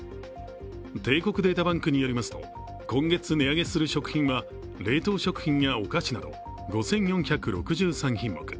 帝国データバンクによりますと今月値上げする食品は冷凍食品やお菓子など５４６３品目。